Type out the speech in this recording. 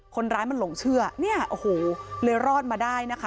คนร้ายมันหลงเชื่อเนี่ยโอ้โหเลยรอดมาได้นะคะ